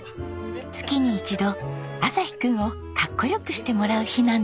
月に一度旭くんをかっこよくしてもらう日なんです。